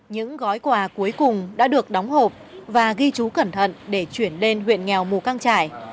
những gói quà cuối cùng đã được đóng hộp và ghi chú cẩn thận để chuyển lên huyện nghèo mù căng trải